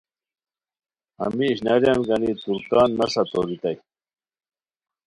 ہمی اشناریان گانی ترکان نسہ تورتائے